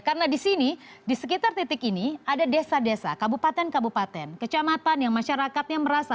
karena di sini di sekitar titik ini ada desa desa kabupaten kabupaten kecamatan yang masyarakatnya merasa